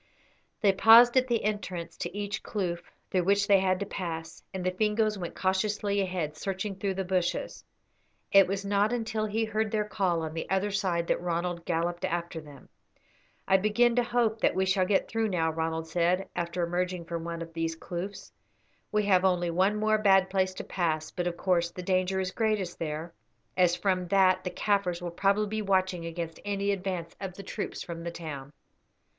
They paused at the entrance to each kloof through which they had to pass, and the Fingoes went cautiously ahead searching through the bushes. It was not until he heard their call on the other side that Ronald galloped after them. "I begin to hope that we shall get through now," Ronald said, after emerging from one of these kloofs; "we have only one more bad place to pass, but, of course, the danger is greatest there, as from that the Kaffirs will probably be watching against any advance of the troops from the town."